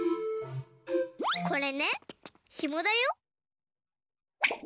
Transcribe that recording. これねひもだよ。